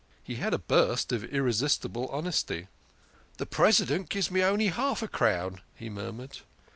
He had a burst of irresistible honesty. " The President gives me only half a crown," he murmured.